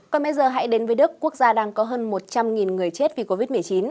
còn bây giờ hãy đến với đức quốc gia đang có hơn một trăm linh người chết vì covid một mươi chín